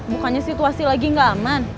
bukannya situasi lagi nggak aman